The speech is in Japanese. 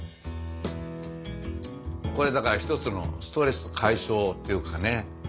これだから一つのストレス解消っていうかね。